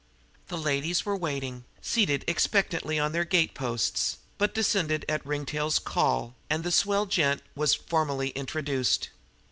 The ladies were waiting, seated expectantly on the gate posts, but descended at Ringtail's call, and the "swell gent" was formally introduced.